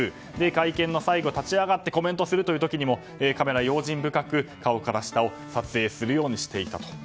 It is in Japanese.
会見の最後、立ち上がってコメントをする時もカメラは用心深く顔から下を撮影するようにしていたと。